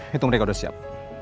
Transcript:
hitung mereka udah siap